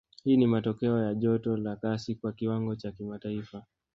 Hii ni matokeo ya joto la kasi kwa kiwango cha kimataifa